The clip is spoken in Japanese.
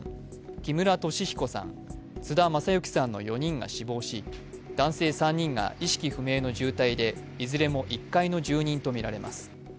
木村敏彦さん、津田正行さんの４人が死亡し、男性３人が意識不明の重体でいずれも１階の住人とみられます。